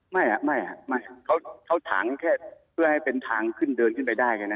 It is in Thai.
ไม่เขาถางแค่เพื่อให้เป็นทางขึ้นเดินขึ้นไปได้แค่นั้น